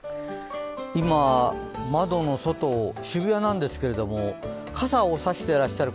今、窓の外、渋谷なんですけれども、傘を差してらっしゃる